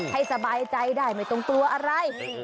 ให้สบายใจได้ไม่ตรงตัวอะไร